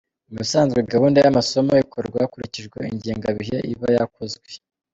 Mu bisanzwe, gahunda y’amasomo ikorwa hakurikije ingengabihe iba yakozwe.